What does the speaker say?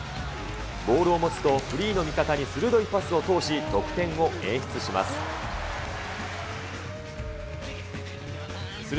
ボールを持つと、フリーの味方に鋭いパスを通し、得点を演出します。